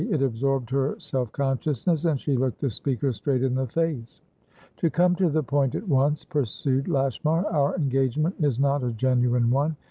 It absorbed her self consciousness, and she looked the speaker straight in the face. "To come to the point at once," pursued Lashmar, "our engagement is not a genuine one.